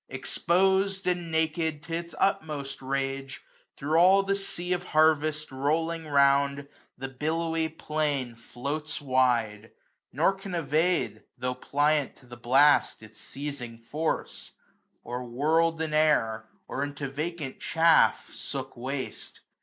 Exposed, and naked, to its utmost rage, 325 Thro' all the sea of harvest rolling round. The billowy plain floats wide ; nor can evade, Tho* pliant to the blast, its seizing force j 134 AUTUMN Or whirrd in air, or into vacant chaff Sook waste.